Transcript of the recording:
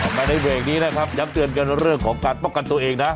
ไปในเบรกนี้นะครับย้ำเตือนกันเรื่องของการป้องกันตัวเองนะ